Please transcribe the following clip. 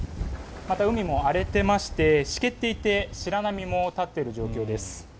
また、海も荒れていましてしけっていて白波も立っている状況です。